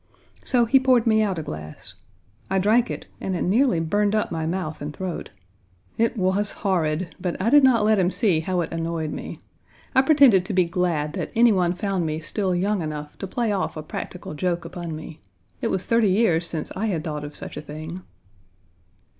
So he poured me out a glass. I drank it, and it nearly burned up my mouth and throat. It was horrid, but I did not let him see how it annoyed me. I pretended to be glad that any one found me still young enough to play off a practical joke upon me. It was thirty years since I had thought of such a thing.